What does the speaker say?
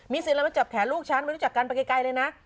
มีศิลป์แล้วมาจับแขนลูกฉันมาจับกันไปไกลเลยนะ